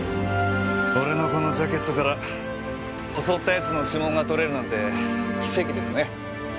俺のこのジャケットから襲った奴の指紋が取れるなんて奇跡ですね。